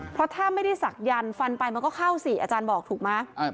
เพราะถ้าไม่ได้ศักยันต์ฟันไปมันก็เข้าสิอาจารย์บอกถูกไหม